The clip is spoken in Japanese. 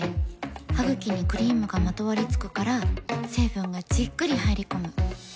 ハグキにクリームがまとわりつくから成分がじっくり入り込む。